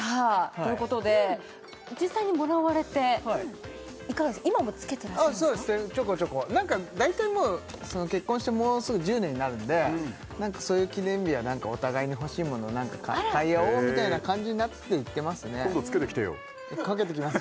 そうですねちょこちょこ大体もう結婚してもうすぐ１０年になるんでそういう記念日はお互いに欲しいものを何か買い合おうみたいな感じになっていってますね今度着けてきてよ掛けてきます